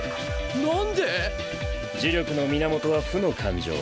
なんで⁉呪力の源は負の感情。